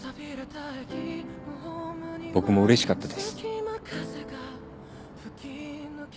僕もうれしかったです。